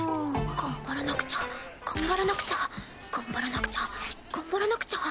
頑張らなくちゃ頑張らなくちゃ頑張らなくちゃ頑張らなくちゃ。